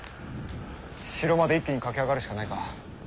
城まで一気に駆け上がるしかないか。